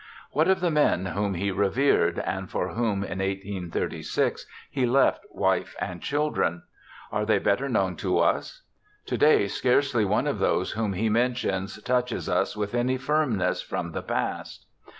What of the men whom he revered, and for whom in 1836 he left wife and children ? Are they better known to us ? To day scarcely one of those whom he mentions touches us with any firmness from the past.